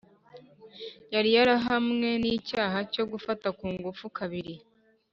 yari yarahamwe n'icyaha cyo gufata ku ngufu kabiri